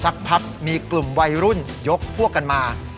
สักพักมีกลุ่มวัยรุ่นยกพวกกันมา